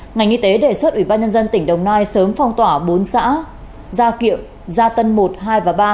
ngành y tế đề xuất ủy ban nhân dân tỉnh đồng nai sớm phong tỏa bốn xã gia kiệm gia tân một hai và ba